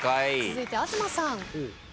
続いて東さん。